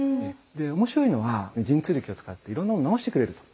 で面白いのは神通力を使っていろんなものを治してくれると。